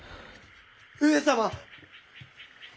上様！